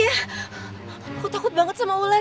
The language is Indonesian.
saya sangat takut dengan ular